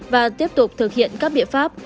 và tiếp tục thực hiện các biện pháp